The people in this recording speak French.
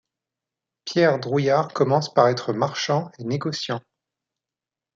Pierre Drouillard commence par être marchand et négociant.